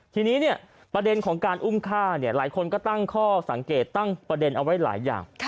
ทีนี้เนี่ยประเด็นของการอุ้มฆ่าหลายคนก็ตั้งข้อสังเกตตั้งประเด็นเอาไว้หลายอย่าง